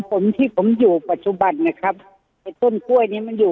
ผมที่ผมอยู่ปัจจุบันนะครับไอ้ต้นกล้วยเนี้ยมันอยู่